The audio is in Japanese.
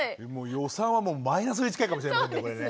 予算はもうマイナスに近いかもしれませんけどねこれね。